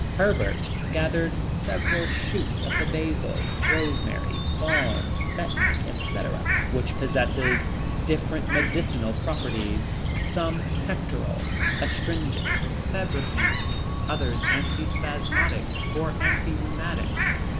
Herbert gathered several shoots of the basil, rosemary, balm, betony, etc., which possess different medicinal properties, some pectoral, astringent, febrifuge, others anti spasmodic, or anti rheumatic.